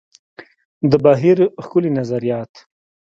د بهیر ښکلي نظریات.